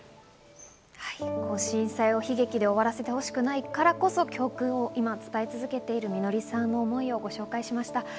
震災を悲劇で終わらせてほしくないからこそ、教訓を今伝え続けている季さんの思いをご紹介しました。